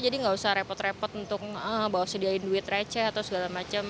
jadi nggak usah repot repot untuk bawa sediain duit receh atau segala macam